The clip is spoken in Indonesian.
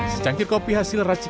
secangkir kopi hasil racik